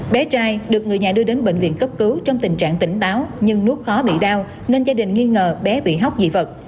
bé trai được người nhà đưa đến bệnh viện cấp cứu trong tình trạng tỉnh táo nhưng nút khó bị đau nên gia đình nghi ngờ bé bị hóc dị vật